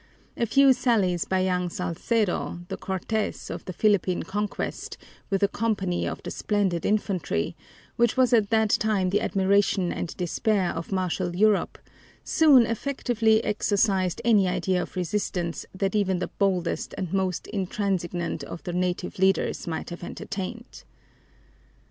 A few sallies by young Salcedo, the Cortez of the Philippine conquest, with a company of the splendid infantry, which was at that time the admiration and despair of martial Europe, soon effectively exorcised any idea of resistance that even the boldest and most intransigent of the native leaders might have entertained.